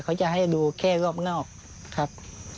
เขาจะให้ดูแค่รอบนอกครับ